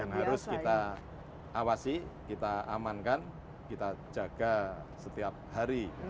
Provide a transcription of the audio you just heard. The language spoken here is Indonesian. yang harus kita awasi kita amankan kita jaga setiap hari